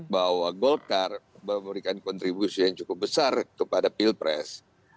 bahwa golkar memberikan kontribusi yang cukup besar kepada pilpres